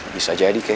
bisa jadi kay